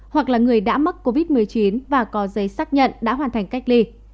hoặc là người đã mắc covid một mươi chín và có giấy xác nhận đã hoàn thành cách ly